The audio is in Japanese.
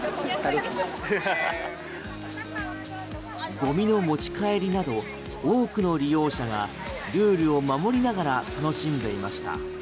ゴミの持ち帰りなど多くの利用者がルールを守りながら楽しんでいました。